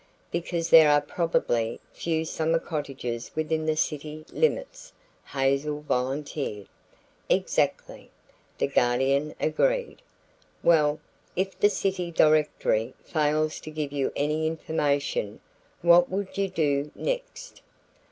"Because there are probably few summer cottages within the city limits," Hazel volunteered. "Exactly," the Guardian agreed. "Well, if the city directory fails to give you any information, what would you do next?"